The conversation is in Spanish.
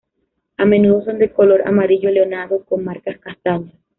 A menudo son de color amarillo leonado con marcas castañas.